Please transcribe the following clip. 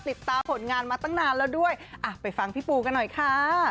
ติดตามผลงานมาตั้งนานแล้วด้วยอ่ะไปฟังพี่ปูกันหน่อยค่ะ